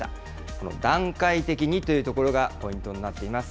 この段階的にというところがポイントになっています。